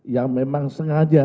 yang memang sengaja